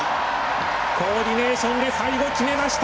コーディネーションで最後決めました！